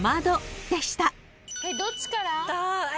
どっちから？